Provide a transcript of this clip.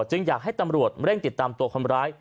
จึงอยากให้ตำรวจเร่งติดตามตัวคนร้าย